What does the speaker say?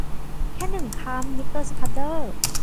แค่หนึ่งคำ มิสเตอร์สคัดเดอร์